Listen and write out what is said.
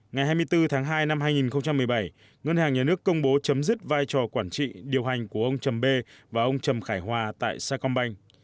ngày hai mươi bốn tháng hai năm hai nghìn một mươi bảy ngân hàng nhà nước công bố chấm dứt vai trò quản trị điều hành của ông trầm bê và ông trầm khải hoa tại sa công banh